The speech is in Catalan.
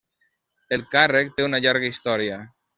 El càrrec té una llarga història.